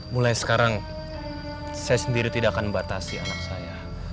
mulai sekarang saya sendiri tidak akan batasi anak saya